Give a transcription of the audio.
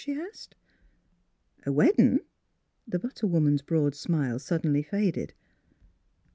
" she asked. "A weddin'?" The butter woman's broad smile sud denly faded.